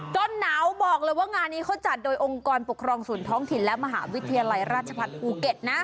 หนาวบอกเลยว่างานนี้เขาจัดโดยองค์กรปกครองส่วนท้องถิ่นและมหาวิทยาลัยราชพัฒน์ภูเก็ตนะ